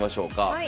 はい。